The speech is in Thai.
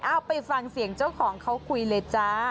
เอาไปฟังเสียงเจ้าของเขาคุยเลยจ้า